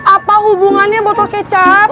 apa hubungannya botol kecap